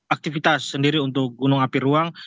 aktivitas sendiri untuk gunung api ruang